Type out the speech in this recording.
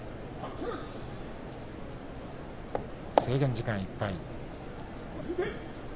制限時間いっぱい。